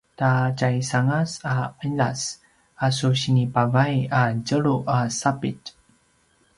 ta tjaisangas a qiljas a su sinipavay a tjelu a sapitj